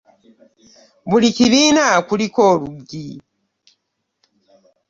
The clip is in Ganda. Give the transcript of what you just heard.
Buli kibiina kuliko oluggi.